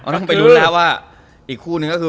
ต้องไปลุ้นแล้วว่าอีกคู่นึงก็คือ